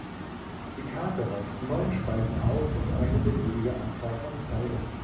Die Karte weist neun Spalten auf und eine beliebige Anzahl von Zeilen.